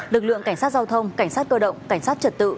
lực lượng cảnh sát giao thông cảnh sát cơ động cảnh sát trật tự